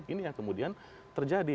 ini yang kemudian terjadi